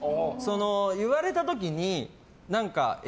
言われた時に、え？